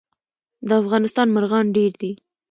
د افغانستان مرغان ډیر دي